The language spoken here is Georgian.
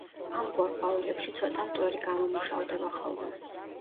ამგვარ ყვავილებში ცოტა მტვერი გამომუშავდება ხოლმე.